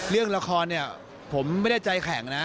เรื่องละครเนี่ยผมไม่ได้ใจแข็งนะ